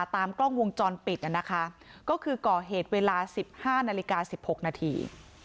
ตามกล้องวงจรปิดน่ะนะคะก็คือก่อเหตุเวลาสิบห้านาฬิกาสิบหกนาที